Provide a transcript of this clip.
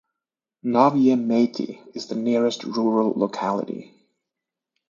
Novye Maty is the nearest rural locality.